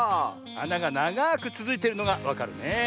あながながくつづいてるのがわかるねえ。